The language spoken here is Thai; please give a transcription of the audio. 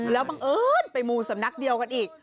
แล้วบังเอิญไปมูสำนักเดียวกันอีก